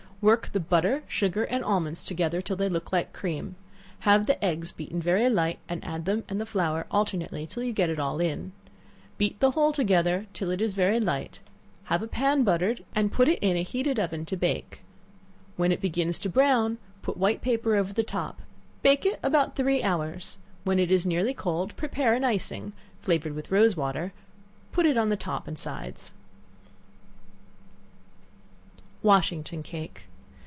Work the butter, sugar and almonds together till they look like cream; have the eggs beaten very light, and add them and the flour alternately till you get all in; beat the whole together till it is very light; have a pan buttered, and put it in a heated oven to bake; when it begins to brown, put white paper over the top; bake it about three hours; when it is nearly cold, prepare an icing, flavored with rose water; put it on the top and sides. Washington Cake.